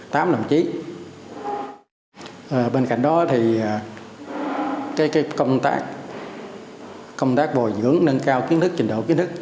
tắm làm chí bên cạnh đó thì cái công tác công tác bồi dưỡng tính cao kiến thức trình độ kinh thức